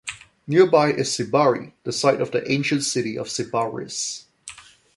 Nearby is Sibari, the site of the ancient city of Sybaris.